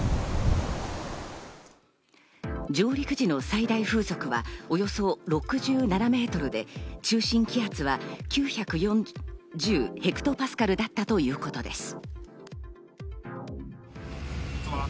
上陸時の最大風速はおよそ６７メートルで、中心気圧は９４０ヘクトパスカルだったということです。